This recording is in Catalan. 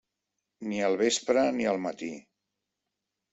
Ni al vespre ni al matí.